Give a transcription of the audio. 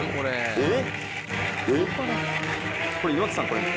えっ？